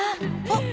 あっ！